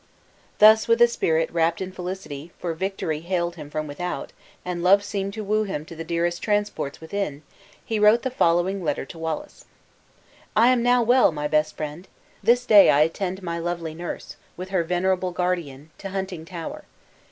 Thus, with a spirit wrapped in felicity, for victory hailed him from without, and love seemed to woo him to the dearest transports within, he wrote the following letter to Wallace: "I am now well, my best friend! This day I attend my lovely nurse, with her venerable guardian, to Huntingtower.